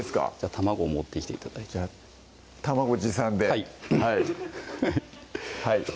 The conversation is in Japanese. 卵を持ってきて頂いてじゃあ卵持参ではい